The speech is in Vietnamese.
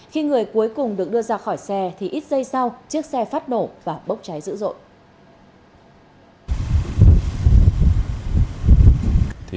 khi người cuối cùng được đưa ra khỏi xe thì ít giây sau chiếc xe phát nổ và bốc cháy dữ dội